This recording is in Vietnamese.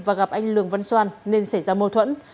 và gặp anh lường văn xoan nên xảy ra mâu thuẫn